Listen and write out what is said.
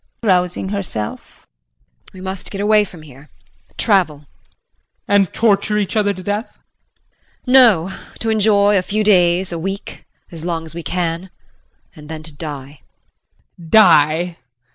JULIE [Rousing herself].We must get away from here travel. JEAN. And torture each other to death? JULIE. No to enjoy, a few days, a week as long as we can. And then to die. JEAN. Die!